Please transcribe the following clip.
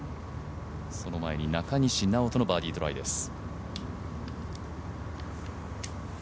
その前に中西直人のバーディートライです。